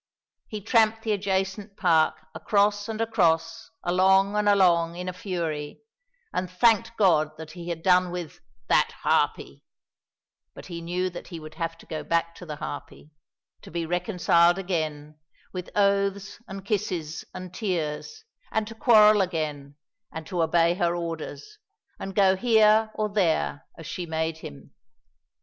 He tramped the adjacent Park across and across, along and along, in a fury, and thanked God that he had done with "that harpy"; but he knew that he would have to go back to the harpy, to be reconciled again, with oaths and kisses and tears, and to quarrel again, and to obey her orders, and go here or there as she made him.